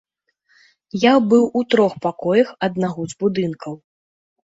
Я быў у трох пакоях аднаго з будынкаў.